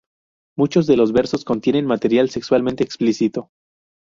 Muchos de los versos contienen material sexualmente explícito.